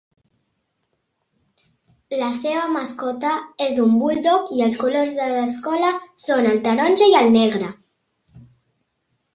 La seva mascota és un buldog i els colors de l'escola són el taronja i el negre.